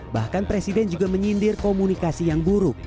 bahkan presiden juga menyindir komunikasi yang buruk